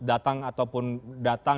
datang ataupun datang